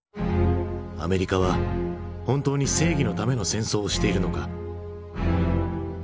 アメリカは本当に正義のための戦争をしているのか。